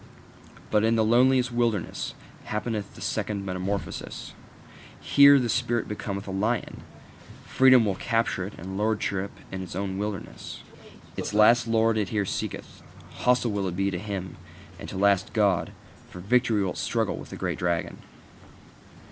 But in the loneliest wilderness happeneth the second metamorphosis: here the spirit becometh a lion; freedom will it capture, and lordship in its own wilderness. Its last Lord it here seeketh: hostile will it be to him, and to its last God; for victory will it struggle with the great dragon.